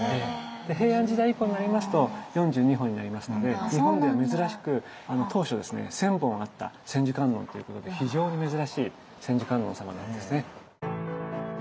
平安時代以降になりますと４２本になりますので日本では珍しく当初ですね千本あった千手観音ということで非常に珍しい千手観音様なんですね。